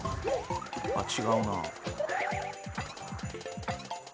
あっ違うなあ。